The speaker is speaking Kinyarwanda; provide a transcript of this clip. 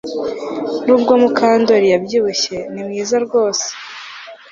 Nubwo Mukandoli yabyibushye ni mwiza rwose